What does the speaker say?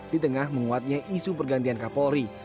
di tengah menguatnya isu pergantian kapolri